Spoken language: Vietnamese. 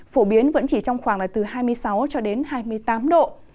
phổ biến vẫn chỉ trong khoảng hai mươi sáu hai mươi tám độ